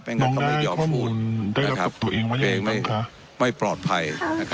เพราะฉันทำได้ข้อมูลได้ลับศพตัวเองกว่าอย่างไงครับไม่ปลอดภัย